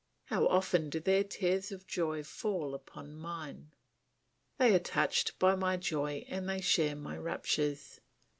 How often do their tears of joy fall upon mine! They are touched by my joy and they share my raptures.